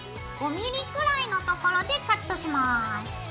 ５ミリくらいのところでカットします。